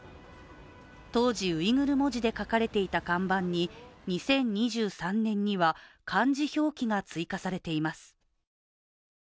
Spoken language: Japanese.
当時、ウイグル文字で書かれていた看板に２０２３年には漢字表記が追加されています。